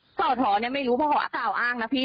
สาวท้อเนี่ยไม่รู้เพราะเขากล่าวอ้างนะพี่